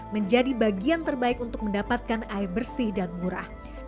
menjadi bagian terbaik untuk mendapatkan air bersih dan murah